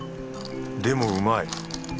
でもうまい。